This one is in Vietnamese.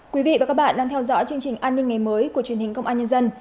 quý vị và các bạn đang theo dõi chương trình an ninh ngày mới của truyền hình công an nhân dân